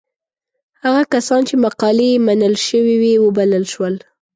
هغه کسان چې مقالې یې منل شوې وې وبلل شول.